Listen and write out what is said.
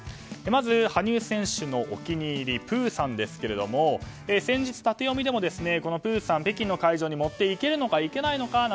まず、羽生選手のお気に入りプーさんですけれども先日、タテヨミでもプーさん、北京の会場に持っていけるのか、いけないのか